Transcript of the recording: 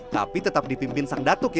tapi tetap dipimpin sang datuk